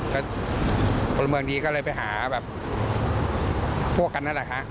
ก็พลเมืองดีก็เลยไปหาแบบพวกกันนั่นแหละฮะ